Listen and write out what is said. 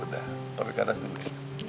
udah papi ke atas nih